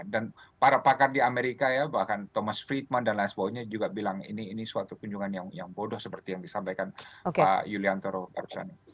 dan para pakar di amerika ya bahkan thomas friedman dan lain sebagainya juga bilang ini suatu kunjungan yang bodoh seperti yang disampaikan pak yuliantoro barjani